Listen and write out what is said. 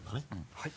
はい。